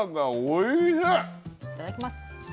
いただきます。